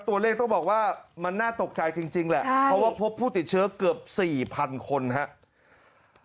ตัวเลขต้องบอกว่ามันน่าตกใจจริงแหละเพราะว่าพบผู้ติดเชื้อเกือบ๔๐๐๐คนครับ